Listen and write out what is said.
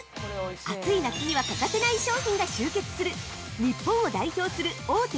暑い夏には欠かせない商品が集結する日本を代表する大手